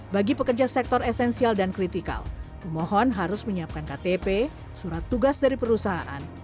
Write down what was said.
bagi pekerja sektor esensial dan kritikal pemohon harus menyiapkan ktp surat tugas dari perusahaan